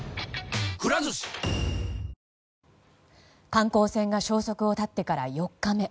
観光船が消息を絶ってから４日目。